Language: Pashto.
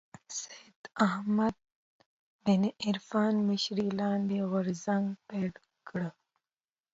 سید احمد بن عرفان مشرۍ لاندې غورځنګ پيل کړ